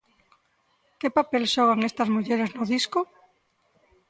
Que papel xogan estas mulleres no disco?